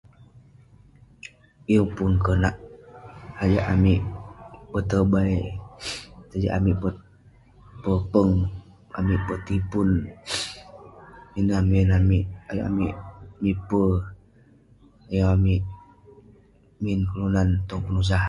Yeng pun konak ayuk amik petobai, tajak amik pet- popeng, amik petipun, ineh min amik ayuk amik mipe, ayuk amik min kelunan tong penusah.